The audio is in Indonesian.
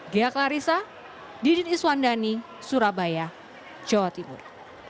gia klarisa didit iswandani surabaya jawa timur